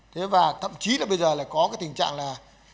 thế và thậm chí là bây giờ lại có cái tình trạng là